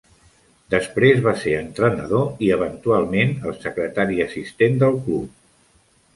Després, va ser entrenador i eventualment el secretaria assistent del club.